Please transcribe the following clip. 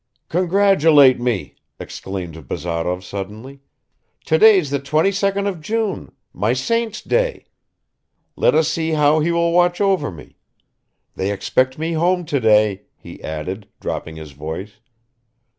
"Congratulate me," exclaimed Bazarov suddenly. "Today's the 22nd of June, my saint's day. Let us see how he will watch over me. They expect me home today," he added, dropping his voice